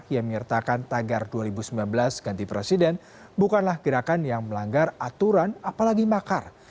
yang menyertakan tagar dua ribu sembilan belas ganti presiden bukanlah gerakan yang melanggar aturan apalagi makar